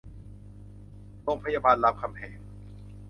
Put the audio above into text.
โรงพยาบาลรามคำแหง